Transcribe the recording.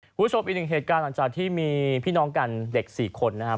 คุณผู้ชมอีกหนึ่งเหตุการณ์หลังจากที่มีพี่น้องกันเด็ก๔คนนะครับ